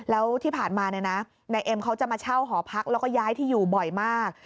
แล้วที่ผ่านมาเนี่ยนะนายเอ็มเขาจะมาเช่าหอพักแล้วก็ย้ายที่อยู่บ่อยมาก